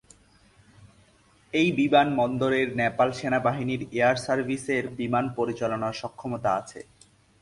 এই বিমানবন্দরের নেপাল সেনাবাহিনীর এয়ার সার্ভিসের বিমান পরিচালনার সক্ষমতা আছে।